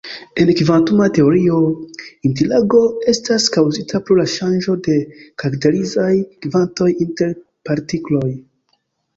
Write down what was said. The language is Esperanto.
En kvantuma teorio, interago estas kaŭzita pro la ŝanĝo de karakterizaj kvantoj inter partikloj.